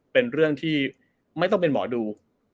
เป็นเรื่องที่ไม่ต้องเป็นหมอดู